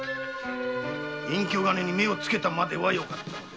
隠居金に目をつけたまではよかったのですが